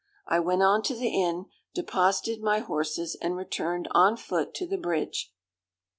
I went on to the inn, deposited my horses and returned on foot to the bridge.